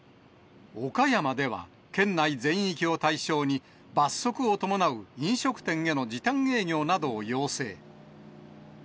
岡山では、県内全域を対象に、罰則を伴う飲食店への時短営業などを要請。